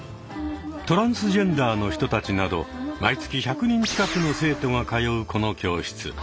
トランスジェンダーの人たちなど毎月１００人近くの生徒が通うこの教室。